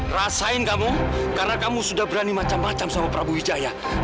rasain kamu karena kamu sudah berani macam macam sama prabu wijaya